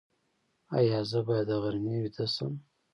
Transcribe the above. ایا زه باید د غرمې ویده شم؟